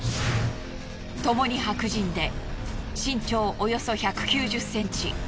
ともに白人で身長およそ１９０ｃｍ。